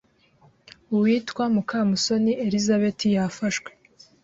uwitwa Mukamusoni Elizabeth yafashwe